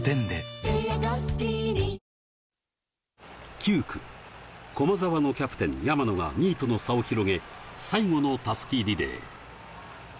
９区、駒澤のキャプテン・山野が２位との差を広げ、最後の襷リレー。